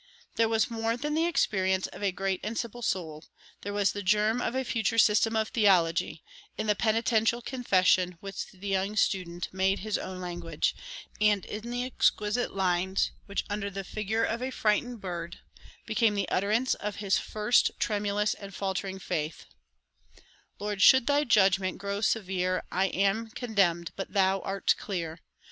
There was more than the experience of a great and simple soul, there was the germ of a future system of theology, in the penitential confession which the young student "made his own language," and in the exquisite lines which, under the figure of a frightened bird, became the utterance of his first tremulous and faltering faith: Lord, should thy judgment grow severe, I am condemned, but thou art clear.